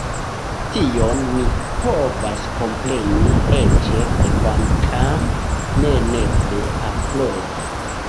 Tion ni povas kompreni, eĉ kvankam ne nepre aprobi.